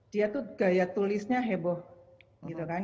dia tuh gaya tulisnya heboh gitu kan